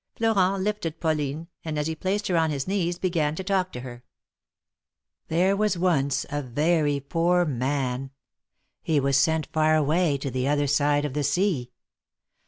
Florent lifted Pauline, and as he placed her on his knees began to talk to her : There was once a very poor man — he was sent far away to the other side of the sea.